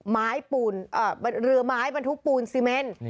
เหลือไม้มันทุกปูนซีเมนต์